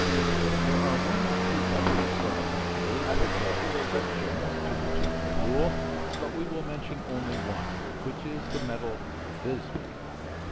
There are one or two other substances which are exceptions to the general rule, but we will mention only one, which is the metal bismuth.